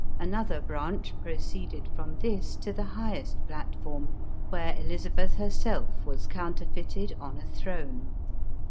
Another branch proceeded from this to the highest platform, where Elizabeth herself was counterfeited on a throne.